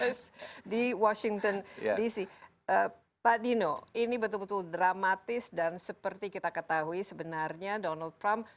terus di washington dc pak dino ini betul betul dramatis dan seperti kita ketahui sebenarnya donald trump